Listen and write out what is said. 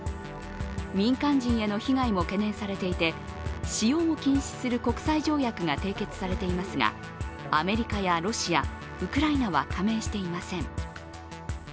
民間人への被害も懸念されていて、使用を禁止する国際条約が締結されていますが、アメリカやロシア、ウクライナは加盟していません。